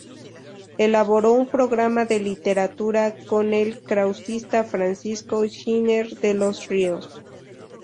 Elaboró un programa de literatura con el krausista Francisco Giner de los Ríos.